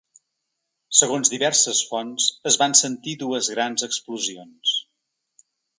Segons diverses fonts, es van sentir dues grans explosions.